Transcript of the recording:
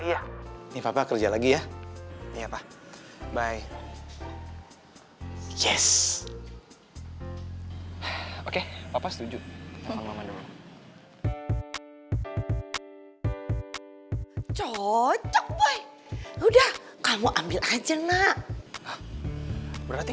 ini papa kerja lagi ya ya pak bye yes oke papa setuju cocok boy udah kamu ambil aja nak berarti